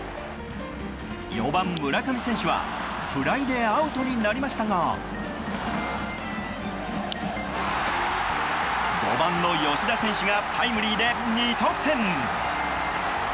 ４番、村上選手はフライでアウトになりましたが５番の吉田選手がタイムリーで２得点。